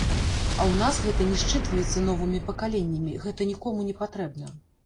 А ў нас гэта не счытваецца новымі пакаленнямі, гэта нікому не патрэбна.